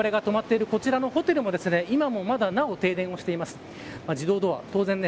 われわれが泊まっているこちらのホテルも今もまだなお停電をしています。